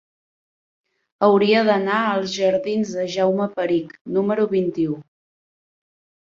Hauria d'anar als jardins de Jaume Perich número vint-i-u.